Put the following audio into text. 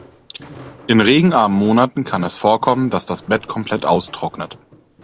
In regenarmen Monaten kann es vorkommen, dass das Bett komplett austrocknet.